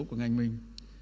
của ngành mình